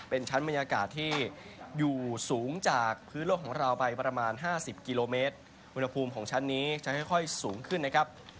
เป็นชั้นบรรยากาศที่อยู่สูงจากพื้นโลกของเราไปประมาณ๕๐กิโลเมตรอุณหภูมิของชั้นนี้จะค่อยสูงขึ้นนะครับ